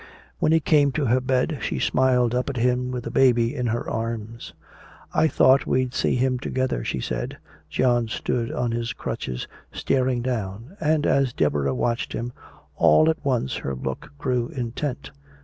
When he came to her bed, she smiled up at him with the baby in her arms. "I thought we'd see him together," she said. John stood on his crutches staring down. And as Deborah watched him, all at once her look grew intent.